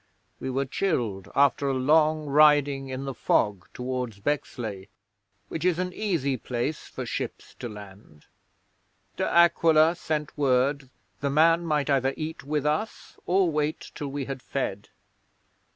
We were chilled after a long riding in the fog towards Bexlei, which is an easy place for ships to land. De Aquila sent word the man might either eat with us or wait till we had fed.